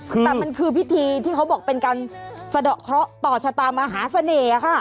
แต่มันคือพิธีที่เขาบอกเป็นการสะดอกเคราะห์ต่อชะตามหาเสน่ห์ค่ะ